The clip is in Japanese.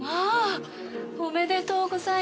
おめでとうございます。